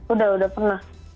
udah udah pernah